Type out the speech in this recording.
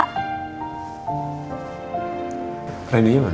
ke ceritanya bener dua